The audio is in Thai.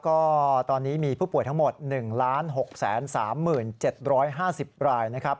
ก็ตอนนี้มีผู้ป่วยทั้งหมด๑๖๓๗๕๐รายนะครับ